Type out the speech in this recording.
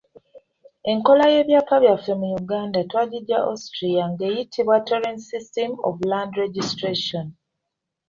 Enkola y’ebyapa byaffe mu Uganda twagiggya Australia nga eyitibwa "Torrens system of land registration".